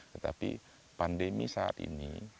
tetapi pandemi saat ini